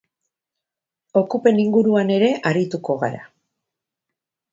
Okupen inguruan ere arituko gara.